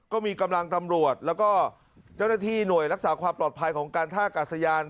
ก็มีกำลังตำรวจแล้วก็เจ้าหน้าที่หน่วยรักษาความปลอดภัยของการท่ากาศยาน